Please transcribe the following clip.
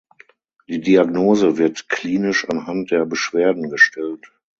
Die Diagnose wird klinisch anhand der Beschwerden gestellt.